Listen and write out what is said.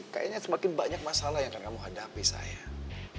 kayaknya semakin banyak masalah yang akan kamu hadapi saya